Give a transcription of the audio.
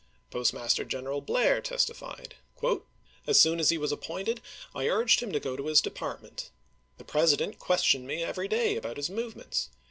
Post master General Blair testified : As soon as he was appointed, I urged him to go to his department. .. The President questioned me every day about his movements.